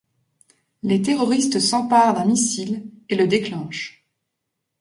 Les terroristes s'emparent d'un missile et le déclenchent.